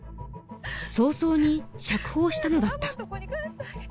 早々に釈放したのだった